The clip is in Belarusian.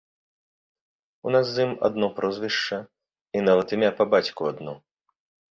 У нас з ім адно прозвішча, і нават імя па бацьку адно.